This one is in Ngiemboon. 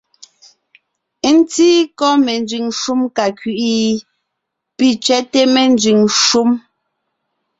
Ńtíí kɔ́ menzẅìŋ shúm ka kẅí’i ? Pì tsẅɛ́té ménzẅìŋ shúm.